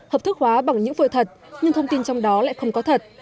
hợp thức hóa bằng những vội thật nhưng thông tin trong đó lại không có thật